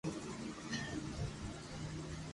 تمي مون ڀيرا راجي ھون